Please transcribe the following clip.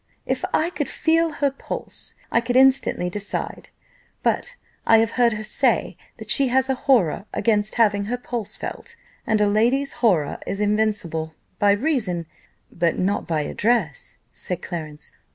If I could feel her pulse, I could instantly decide; but I have heard her say that she has a horror against having her pulse felt, and a lady's horror is invincible, by reason " "But not by address," said Clarence.